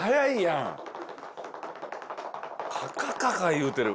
いうてる。